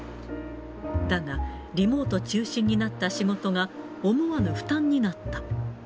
だが、リモート中心になった仕事が思わぬ負担になった。